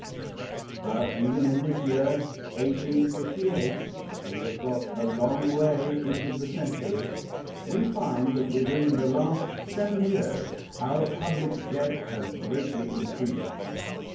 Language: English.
But even in this year, 1858 — we have got a long way into the century — we find that within the last seven years our public debt has greatly increased.